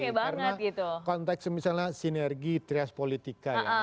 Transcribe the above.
karena konteks misalnya sinergi trias politika ya